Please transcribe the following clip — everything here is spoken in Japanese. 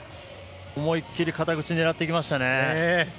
思いっきり肩口狙っていきましたね。